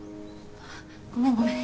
ごめんごめん。